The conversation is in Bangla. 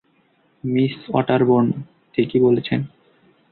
মিস অট্যারবোর্ন ঠিকই বলেছেন।